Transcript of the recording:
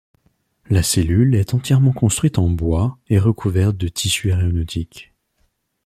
La cellule est entièrement construite en bois et recouverte de tissu aéronautique.